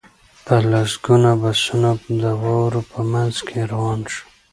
په لسګونه بسونه د واورو په منځ کې روان شول